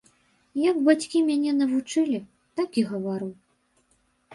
Як бацькі мяне навучылі, так і гавару.